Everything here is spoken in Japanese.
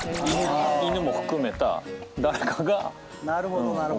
犬も含めた誰かが起こす。